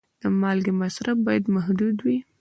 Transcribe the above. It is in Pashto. د مالګې مصرف باید محدود وي.